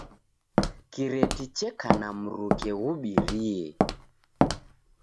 Kireti cheka na mruke ghubirie.